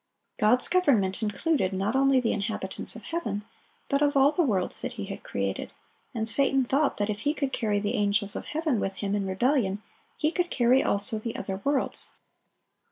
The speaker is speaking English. God's government included not only the inhabitants of heaven, but of all the worlds that He had created; and Satan thought that if he could carry the angels of heaven with him in rebellion, he could carry also the other worlds.